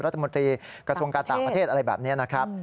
รัฐมนตรีกระทรวงการต่างประเทศอะไรแบบนี้นะครับ